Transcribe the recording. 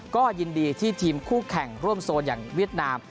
ก็ยินดีที่ทีมคู่แข่งร่วมโซนอย่างเวียดนาม